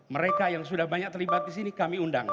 mereka yang sudah banyak terlibat di sini kami undang